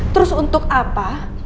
terus untuk apa